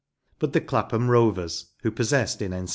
But the Clapham Rovers, who possessed in N.